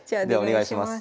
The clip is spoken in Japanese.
お願いします。